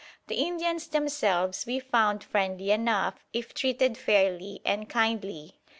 The Indians themselves we found friendly enough if treated fairly and kindly.